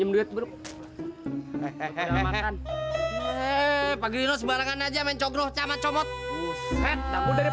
hehehe hehehe pagi lu sebarang aja mencobroh sama comot usai takut dari